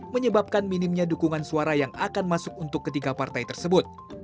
menyebabkan minimnya dukungan suara yang akan masuk untuk ketiga partai tersebut